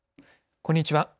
こんにちは。